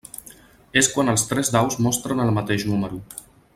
És quan els tres daus mostren el mateix número.